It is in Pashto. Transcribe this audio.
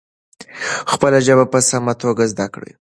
خپله ژبه په سمه توګه زده کړه.